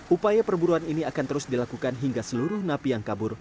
upaya perburuan ini akan terus dilakukan hingga seluruh napi yang kabur